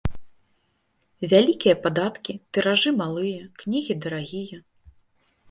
Вялікія падаткі, тыражы малыя, кнігі дарагія.